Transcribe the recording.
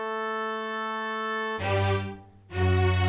ไม่ใช้ครับไม่ใช้ครับ